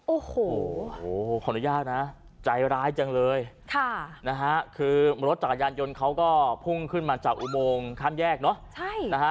โอ้โหขออนุญาตนะใจร้ายจังเลยค่ะนะฮะคือรถจักรยานยนต์เขาก็พุ่งขึ้นมาจากอุโมงข้ามแยกเนอะใช่นะฮะ